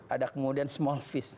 ada kemudian small fish